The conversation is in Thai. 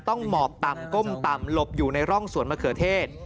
หมอบต่ำก้มต่ำหลบอยู่ในร่องสวนมะเขือเทศ